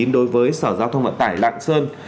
đối với sở giao thông vận tải lạng sơn